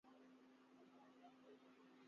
نیا کام کرنے والےافراد ذہنی دباؤ کا شکار